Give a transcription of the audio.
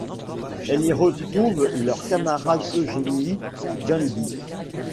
Elles y retrouvent leur camarade Eugénie Djendi.